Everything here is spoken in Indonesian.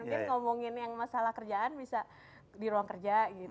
mungkin ngomongin yang masalah kerjaan bisa di ruang kerja gitu